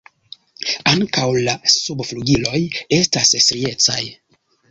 Ankaŭ la subflugiloj estas striecaj.